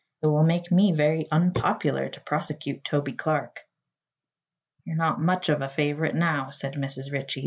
It will make me very unpopular to prosecute Toby Clark." "You're not much of a favorite now," said Mrs. Ritchie.